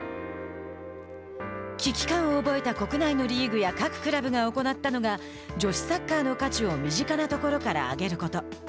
危機感を覚えた国内のリーグや各クラブが行ったのが女子サッカーの価値を身近なところから上げること。